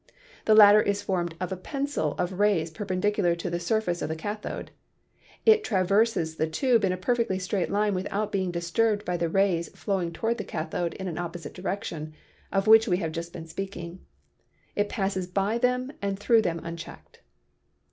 The latter is formed of a pencil of rays perpendicular to the surface of the cathode. It traverses the tube in a perfectly straight line without being disturbed by the rays flowing toward the cathode in an opposite direction, of which we have just been speaking; it passes by them and through them unchecked.